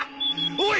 おい！